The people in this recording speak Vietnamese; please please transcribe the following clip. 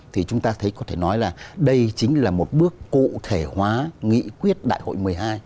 thì chúng ta thấy có thể nói là đây chính là một bước cụ thể hóa nghị quyết đại hội một mươi hai